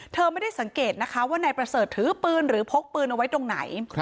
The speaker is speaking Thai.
ไม่ได้สังเกตนะคะว่านายประเสริฐถือปืนหรือพกปืนเอาไว้ตรงไหน